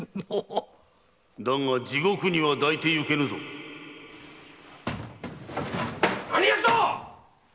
だが地獄には抱いて行けぬぞ。何奴だ！